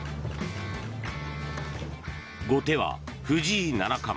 後手は藤井七冠。